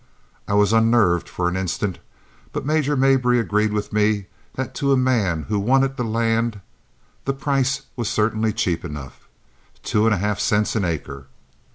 I was unnerved for an instant, but Major Mabry agreed with me that to a man who wanted the land the price was certainly cheap enough, two and a half cents an acre.